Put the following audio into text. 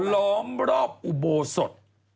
ล้อมรอบอุโบสถ